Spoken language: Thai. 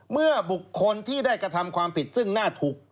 เมื่อบุคคลที่ได้กระทำความผิดซึ่งหน้าถูก